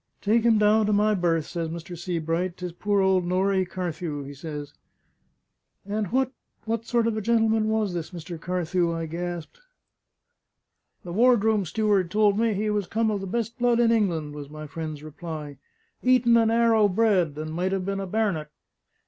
'Take him down to my berth,' says Mr. Sebright. ''Tis poor old Norrie Carthew,' he says." "And what what sort of a gentleman was this Mr. Carthew?" I gasped. "The ward room steward told me he was come of the best blood in England," was my friend's reply: "Eton and 'Arrow bred; and might have been a bar'net!"